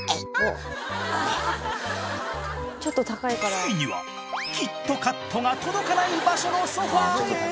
ついにはキットカットが届かない場所のソファへ。